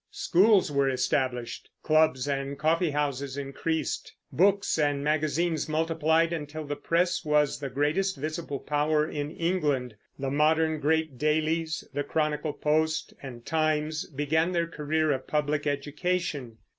Schools were established; clubs and coffeehouses increased; books and magazines multiplied until the press was the greatest visible power in England; the modern great dailies, the Chronicle, Post, and Times, began their career of public education.